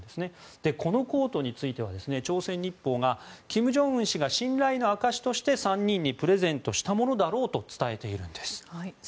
このコートについては朝鮮日報が金正恩氏が信頼の証しとして、３人にプレゼントしたものだろうとしているんです。